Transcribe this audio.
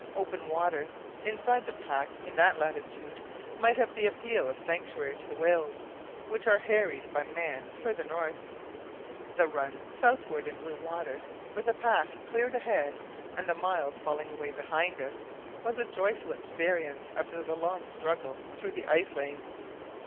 Open water inside the pack in that latitude might have the appeal of sanctuary to the whales, which are harried by man farther north. The run southward in blue water, with a path clear ahead and the miles falling away behind us, was a joyful experience after the long struggle through the ice lanes.